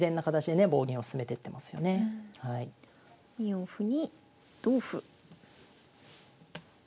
２四歩に同歩。